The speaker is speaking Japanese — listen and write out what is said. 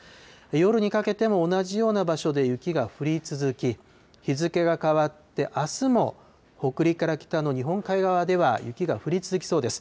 夜にかけても同じような場所で雪が降り続き、日付が変わって、あすも北陸から北の日本海側では、雪が降り続きそうです。